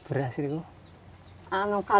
beras itu sudah lama